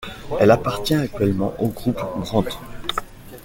Elle appartient actuellement au Groupe Brandt.